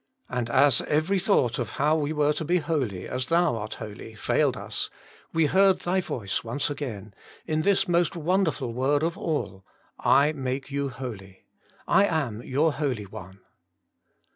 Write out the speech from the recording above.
And as every thought of how we were to be holy, as Thou art holy, failed us, we heard Thy voice once again, 106 HOLY IN CHKIST. in this most wonderful word of all, ' I make you holy.' I am ' your Holy One.'